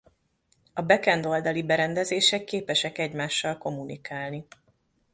A back-end oldali berendezések képesek egymással kommunikálni.